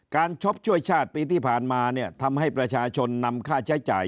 ช็อปช่วยชาติปีที่ผ่านมาเนี่ยทำให้ประชาชนนำค่าใช้จ่าย